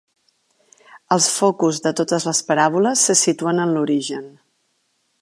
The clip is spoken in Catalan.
Els focus de totes les paràboles se situen en l'origen.